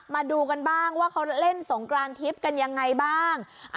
มาดูกันบ้างว่าเขาเล่นสงกรานทิพย์กันยังไงบ้าง